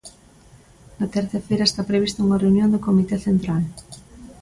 Na terza feira está prevista unha reunión do Comité Central.